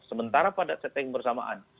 sementara pada setting bersamaan